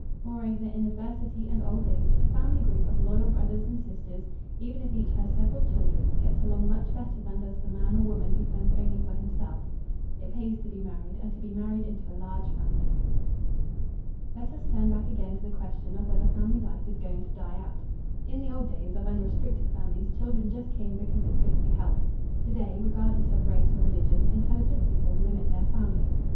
Moreover, in adversity and old age a family group of loyal brothers and sisters, even if each has several children, gets along much better than does the man or woman who fends only for himself. It pays to be married and to be married into a large family. Let us turn back again to the question of whether family life is going to die out. In the old days of unrestricted families children just came because it couldn't be helped. Today, regardless of race or religion, intelligent people limit their families.